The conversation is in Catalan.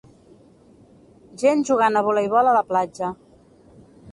Gent jugant a voleibol a la platja